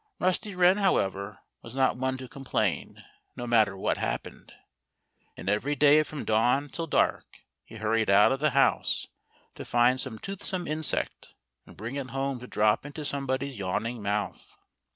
Rusty Wren, however, was not one to complain, no matter what happened. And every day from dawn till dark he hurried out of the house to find some toothsome insect, and bring it home to drop it into somebody's yawning mouth.